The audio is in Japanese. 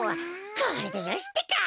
これでよしってか！